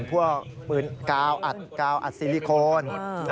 พวกปืนกาวอัดกาวอัดซิลิโคน